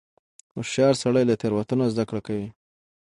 هوښیار سړی له تېروتنو زده کړه کوي.